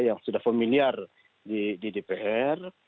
yang sudah familiar di dpr